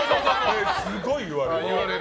すごい言われる。